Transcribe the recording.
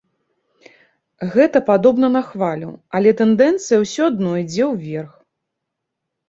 Гэта падобна на хвалю, але тэндэнцыя ўсё адно ідзе ўверх.